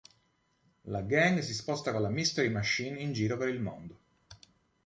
La gang si sposta con la Mystery Machine in giro per il mondo.